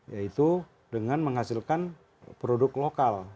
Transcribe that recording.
ya itu dengan menghasilkan produk lokal